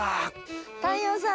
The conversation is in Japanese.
太陽さん。